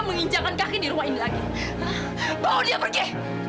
menginjakkan kaki di ruangnya